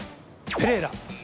ペレイラ！